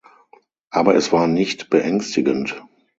Aber es war nicht beängstigend.